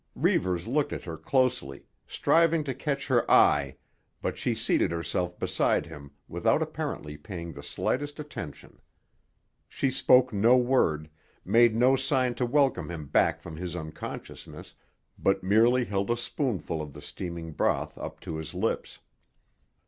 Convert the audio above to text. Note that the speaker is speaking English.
Reivers looked at her closely, striving to catch her eye, but she seated herself beside him without apparently paying the slightest attention. She spoke no word, made no sign to welcome him back from his unconsciousness, but merely held a spoonful of the steaming broth up to his lips.